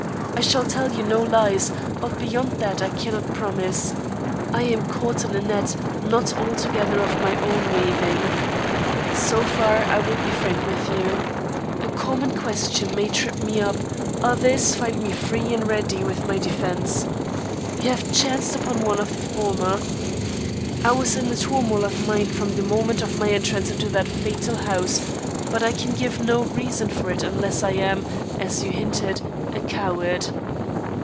I shall tell you no lies, but beyond that I cannot promise. I am caught in a net not altogether of my own weaving. So far I will be frank with you. A common question may trip me up, others find me free and ready with my defence. You have chanced upon one of the former. I was in a turmoil of mind from the moment of my entrance into that fatal house, but I can give no reason for it unless I am, as you hinted, a coward."